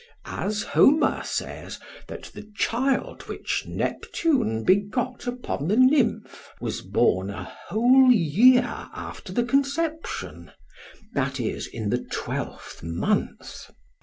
As Homer says, that the child, which Neptune begot upon the nymph, was born a whole year after the conception, that is, in the twelfth month.